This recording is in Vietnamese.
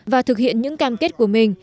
và thực hiện những cam kết của mình